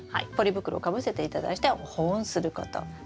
ポリ袋をかぶせて頂いて保温すること。